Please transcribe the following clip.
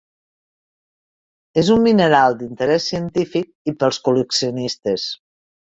És un mineral d'interès científic i pels col·leccionistes.